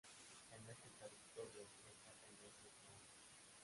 En ese territorio destaca "El maestro ignorante.